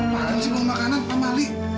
makan sih buang makanan pak mali